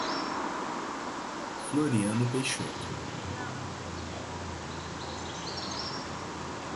Floriano Peixoto